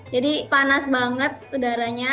jadi panas banget udaranya